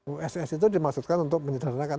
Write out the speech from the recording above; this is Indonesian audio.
uss itu dimaksudkan untuk menyederhanakan